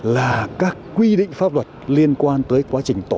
là các quy định pháp luật liên quan tới quá trình giao thông